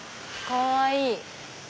かわいい！